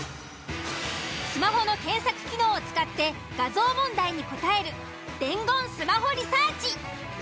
スマホの検索機能を使って画像問題に答える伝言スマホリサーチ。